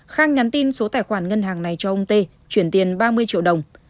khang nhắn tin số tài khoản ngân hàng này cho ông tê chuyển tiền ba mươi triệu đồng